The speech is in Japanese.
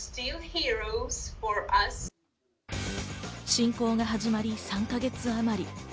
侵攻が始まり３か月あまり。